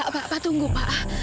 pak tunggu pak